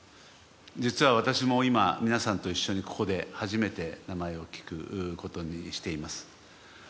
実は私も今、皆さんと一緒にここで初めて名前を聞くことにしています。